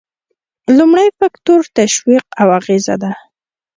لومړی فکتور تشویق او اغیزه ده.